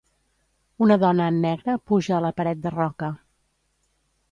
Una dona en negre puja a la paret de roca.